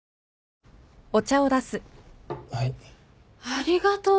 ありがとう。